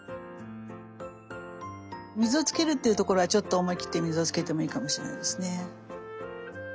水をつけるっていうところはちょっと思い切って水をつけてもいいかもしれないですね。